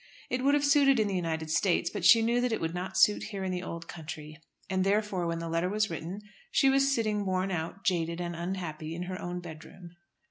It would have suited in the United States, but she knew that it would not suit here in the old country, and therefore when the letter was written she was sitting worn out, jaded and unhappy in her own bed room.